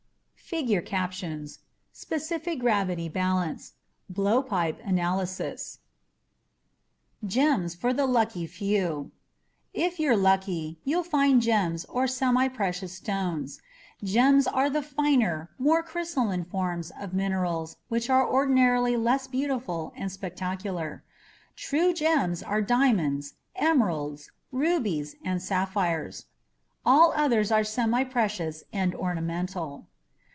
[figure captions] Specific gravity balance Blowpipe analysis GEMS FOR THE LUCKY FEW If you're lucky, you'll find gems or semiprecious stones. Gems are the finer, more crystalline forms of minerals which are ordinarily less beautiful and spectacular. The true gems are diamonds, emeralds, rubies and sapphires. All others are semiprecious and ornamental.